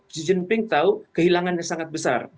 xi jinping tahu kehilangannya sangat besar